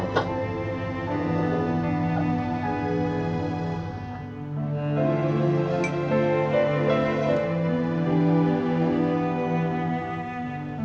nah dapet ngeliatin susah aja